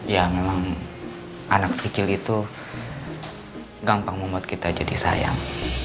ya memang anak kecil itu gampang membuat kita jadi sayang